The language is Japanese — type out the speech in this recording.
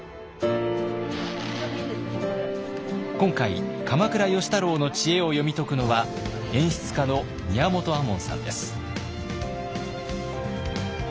今回鎌倉芳太郎の知恵を読み解くのは演出家の宮本亞門さんです。